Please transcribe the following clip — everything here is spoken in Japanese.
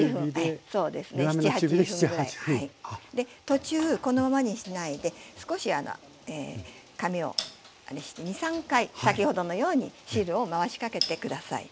途中このままにしないで少しあの紙をあれして２３回先ほどのように汁を回しかけて下さい。